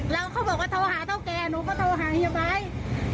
แล้วเขาบอกว่าโทรหาเท่าแก่หนูก็โทรหาเฮียไบท์